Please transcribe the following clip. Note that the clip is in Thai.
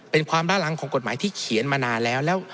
เป็นความล่าหลังของกฎหมายที่เขียนมานานแล้ว